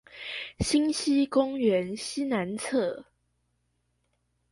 新興公園西南側